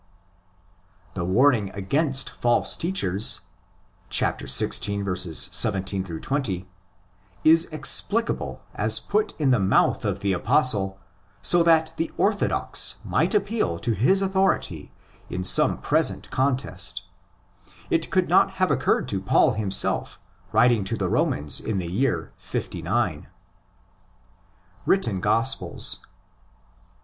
The warning against false teachers (xvi. 17 20) is explicable as put in the mouth of the Apostle so that the ''orthodox" might appeal to his authority in some present contest: it could not have occurred to Paul himself writing to the Romans in the year 59. Written Gospels.